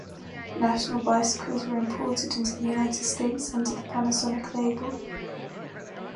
National bicycles were imported into the United States under the Panasonic label.